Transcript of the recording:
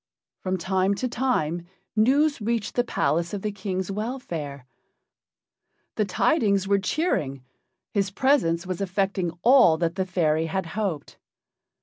From time to time news reached the palace of the King's welfare. The tidings were cheering. His presence was effecting all that the fairy had hoped.